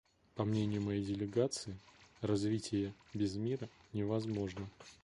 По мнению моей делегации, развитие без мира невозможно.